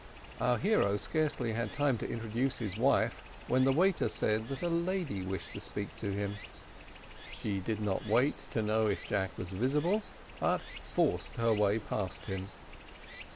Our hero had scarcely time to introduce his wife, when the waiter said that a lady wished to speak to him. She did not wait to know if Jack was visible, but forced her way past him.